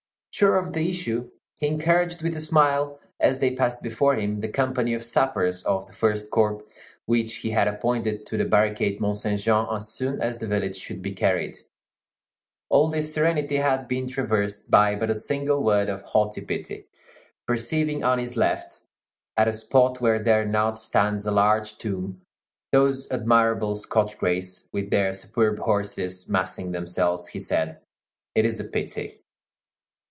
Sure of the issue, he encouraged with a smile, as they passed before him, the company of sappers of the first corps, which he had appointed to barricade Mont Saint Jean as soon as the village should be carried. All this serenity had been traversed by but a single word of haughty pity; perceiving on his left, at a spot where there now stands a large tomb, those admirable Scotch Grays, with their superb horses, massing themselves, he said, "It is a pity."